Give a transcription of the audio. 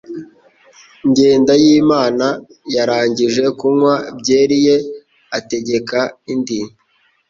Jyendayimana yarangije kunywa byeri ye ategeka indi.